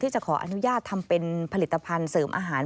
จะขออนุญาตทำเป็นผลิตภัณฑ์เสริมอาหาร